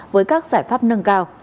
với các giải pháp nâng cao